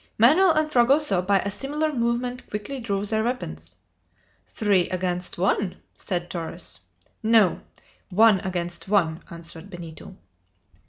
Manoel and Fragoso, by a similar movement, quickly drew their weapons. "Three against one!" said Torres. "No! one against one!" answered Benito.